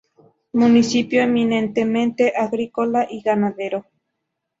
Municipio eminentemente agrícola y ganadero.